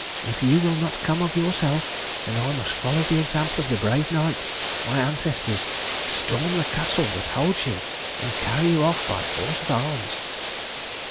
If you will not come of yourself, then I must follow the example of the brave knights, my ancestors; storm the castle that holds you, and carry you off by force of arms."